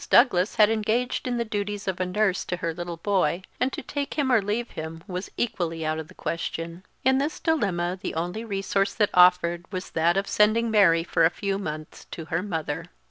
Douglas had engaged in the duties of a nurse to her little boy, and to take him or leave him was equally out of the question. In this dilemma the only resource that offered was that of sending Mary for a few months to her mother.